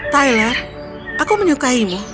tyler aku menyukaimu